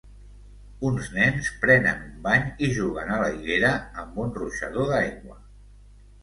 Uns nens prenen un bany i juguen a l'aigüera amb un ruixador d'aigua.